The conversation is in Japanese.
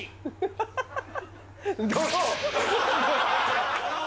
ハハハハ。